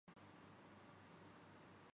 تو ہوں‘ جلد باز نہیں۔